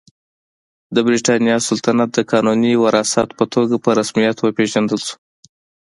د برېټانیا سلطنت د قانوني وارث په توګه په رسمیت وپېژندل شو.